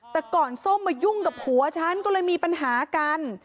แต่ก่อนส้มมายุ่งกับผัวฉันก็เลยมีปัญหากัน